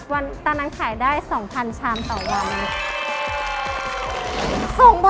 ตอนนั้นขายได้๒๐๐ชามต่อวัน